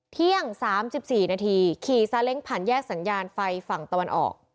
เที่ยง๓๔นาทีขี่ซาเล้งผ่านแยกสัญญาณไฟฝั่งตะวันออก